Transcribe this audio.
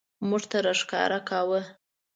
موږ ته راښکاره کاوه.